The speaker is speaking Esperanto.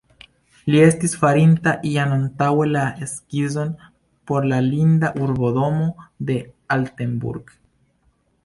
Li estis farinta jam antaŭe la skizon por la linda urbodomo de Altenburg.